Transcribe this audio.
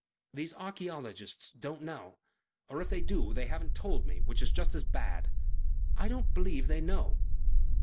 These archaeologists don't know. Or if they do they haven't told me, which is just as bad. I don't believe they know.